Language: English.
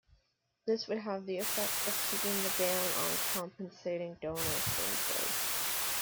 This would have the effect of keeping the ban on compensating donors in place.